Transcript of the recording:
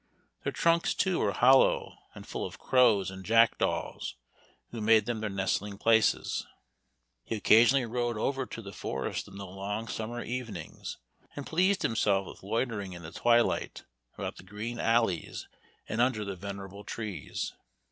Their trunks, too, were hollow, and full of crows and jackdaws, who made them their nestling places. He occasionally rode over to the forest in the long summer evenings, and pleased himself with loitering in the twilight about the green alleys and under the venerable trees.